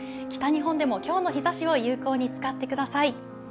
北日本でも今日の日ざしを有効に使ってください。